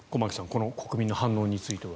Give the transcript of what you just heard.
この国民の反応については。